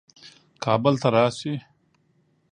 کابل ته راسي.